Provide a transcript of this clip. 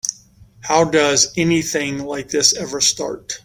How does anything like this ever start?